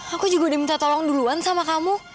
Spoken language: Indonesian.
aku juga udah minta tolong duluan sama kamu